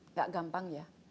tidak gampang ya